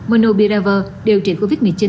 monopiravir điều trị covid một mươi chín